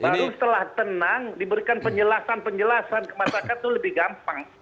baru setelah tenang diberikan penjelasan penjelasan ke masyarakat itu lebih gampang